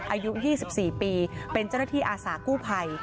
อายุ๒๔ปีเป็นเจ้าหน้าที่อาสากู้ภัย